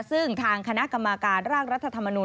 ซึ่งทางคณะกรรมการร่างรัฐธรรมนูล